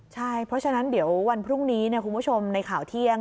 ใช่เพราะฉะนั้นเดี๋ยววันพรุ่งนี้คุณผู้ชมในข่าวเที่ยง